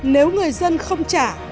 nếu người dân không trả